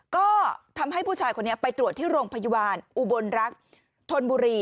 ก็ทำให้ผู้ชายคนนี้ไปตรวจที่โรงพยาบาลอุบลรักษ์ธนบุรี